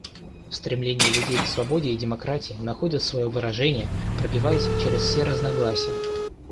Стремление людей к свободе и демократии находит свое выражение, пробиваясь через все разногласия.